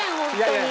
いや！